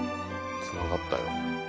つながったよ。